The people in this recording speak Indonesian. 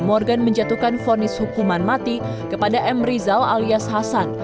morgan menjatuhkan fonis hukuman mati kepada m rizal alias hasan